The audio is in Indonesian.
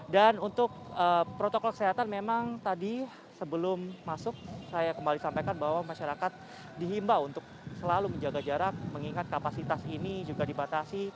dan untuk protokol kesehatan memang tadi sebelum masuk saya kembali sampaikan bahwa masyarakat dihimbau untuk selalu menjaga jarak mengingat kapasitas ini juga dibatasi